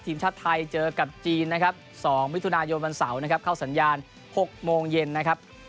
ทีมชาติไทยเจอกับจีนนะครับ๒มิถุนายนวันเสาร์นะครับเข้าสัญญาณ๖โมงเย็นนะครับ